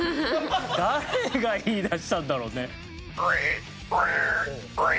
誰が言い出したんだろうね。